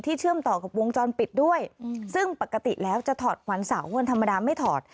เชื่อมต่อกับวงจรปิดด้วยซึ่งปกติแล้วจะถอดวันเสาร์วันธรรมดาไม่ถอด